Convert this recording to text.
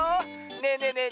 ねえねえねえ